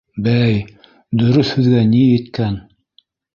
— Бәй, дөрөҫ һүҙгә ни еткән!